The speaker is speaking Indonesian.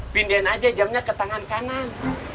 pindahin aja jamnya ke tangan kanan